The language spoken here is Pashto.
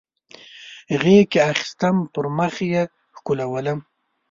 غیږ کې اخیستم پر مخ یې ښکلولم